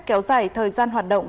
kéo dài thời gian hoạt động